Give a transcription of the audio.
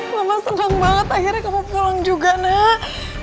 mama senang banget akhirnya kamu pulang juga nak